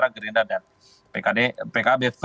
gerinda dan pkb